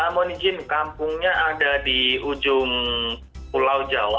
mohon izin kampungnya ada di ujung pulau jawa